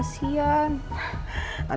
emang sendirian kesian